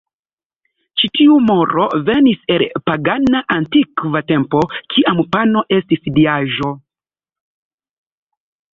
Ĉi tiu moro venis el pagana antikva tempo, kiam pano estis diaĵo.